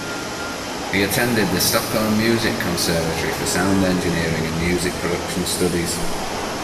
He attended the Stockholm music conservatory for sound engineering and music production studies.